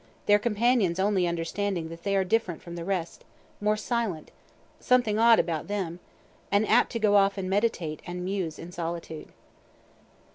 their companions only understanding that they are different from the rest, more silent, "something odd about them," and apt to go off and meditate and muse in solitude.